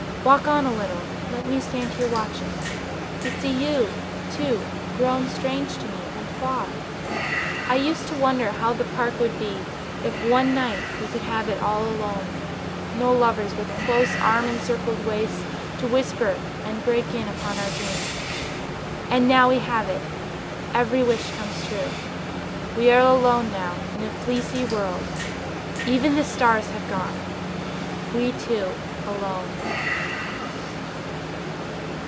Walk on a little, let me stand here watching To see you, too, grown strange to me and far. ... I used to wonder how the park would be If one night we could have it all alone No lovers with close arm encircled waists To whisper and break in upon our dreams. And now we have it! Every wish comes true! We are alone now in a fleecy world; Even the stars have gone. We two alone!